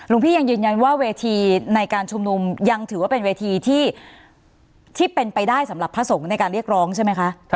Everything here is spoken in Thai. พี่ยังยืนยันว่าเวทีในการชุมนุมยังถือว่าเป็นเวทีที่เป็นไปได้สำหรับพระสงฆ์ในการเรียกร้องใช่ไหมคะ